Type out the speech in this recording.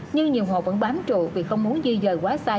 nhưng nhiều hộ vẫn bám trụ vì không muốn di dời quá xa